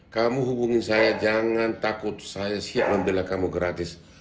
kamu hubungi saya jangan takut saya siap membela kamu gratis